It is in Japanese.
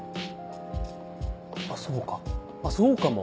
あっそうかそうかも。